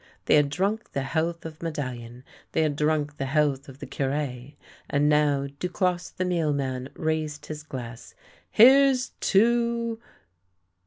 They had drunk the health of Me dallion, they had drunk the health of the Cure, and now Duclosse the mealman raised his glass. " Here's to !